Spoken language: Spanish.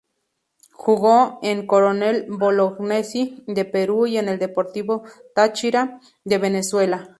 Jugó en Coronel Bolognesi de Perú y en el Deportivo Táchira de Venezuela.